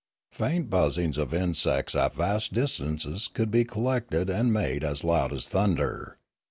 Faint buzzings of insects at vast distances could be collected and made as loud as thunder.